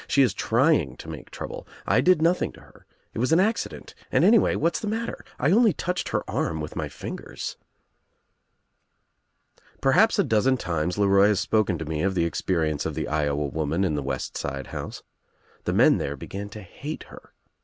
"She is trying to make trouble. I did nothing to her. It was an accident and anyway what's the matter? I only touched her arm with my fingers." Perhaps a dozen times LeRoy has spoken to me of the experience of the Iowa woman in the west side house. The men there began to hate her.